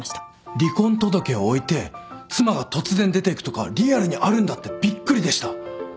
離婚届を置いて妻が突然出ていくとかリアルにあるんだってびっくりでした。